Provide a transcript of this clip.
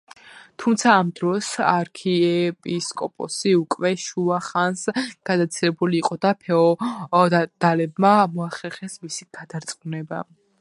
თუმცა, ამ დროს არქიეპისკოპოსი უკვე შუა ხანს გადაცილებული იყო და ფეოდალებმა მოახერხეს მისი გადარწმუნება.